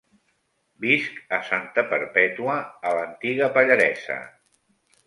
Visc a Santa Perpètua, a l'antiga Pallaresa.